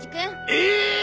えっ！？